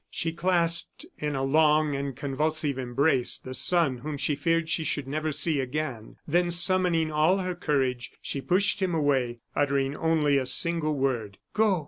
She clasped in a long and convulsive embrace the son whom she feared she should never see again; then, summoning all her courage, she pushed him away, uttering only the single word: "Go!"